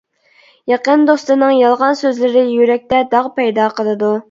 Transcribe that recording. يېقىن دوستنىڭ يالغان سۆزلىرى يۈرەكتە داغ پەيدا قىلىدۇ.